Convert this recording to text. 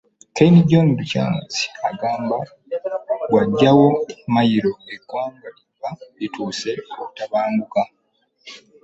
Ken John Lukyamuzi agamba bw'oggyawo mayiro eggwanga liba lituuse okutabanguka.